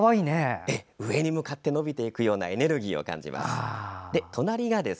上に向かって伸びていくようなエネルギーを感じます。